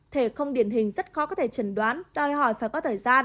thể không điển hình rất khó có thể chấn đoán đòi hỏi phải có thời gian